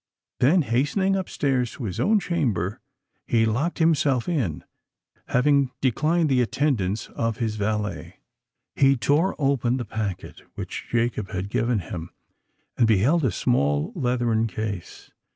Then, hastening up stairs to his own chamber, he locked himself in, having declined the attendance of his valet. He tore open the packet which Jacob had given him, and beheld a small leathern case.